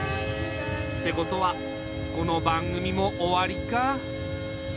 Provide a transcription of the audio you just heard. ってことはこの番組も終わりか。